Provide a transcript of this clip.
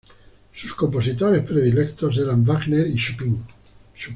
Sus compositores predilectos eran Wagner y Chopin.